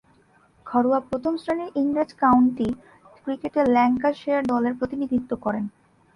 ঘরোয়া প্রথম-শ্রেণীর ইংরেজ কাউন্টি ক্রিকেটে ল্যাঙ্কাশায়ার দলের প্রতিনিধিত্ব করেন।